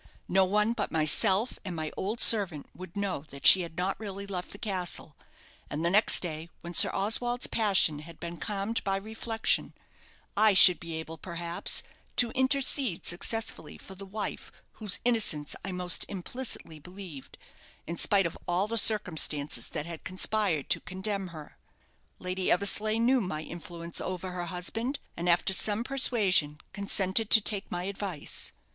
No one but myself and my old servant would know that she had not really left the castle; and the next day, when Sir Oswald's passion had been calmed by reflection, I should be able, perhaps, to intercede successfully for the wife whose innocence I most implicitly believed, in spite of all the circumstances that had conspired to condemn her. Lady Eversleigh knew my influence over her husband; and, after some persuasion, consented to take my advice.